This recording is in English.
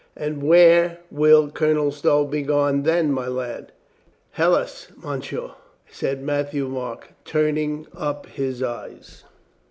"And where will Colonel Stow be gone then, my lad?" "Helas, monsieur," said Matthieu Marc, turning up his eyes.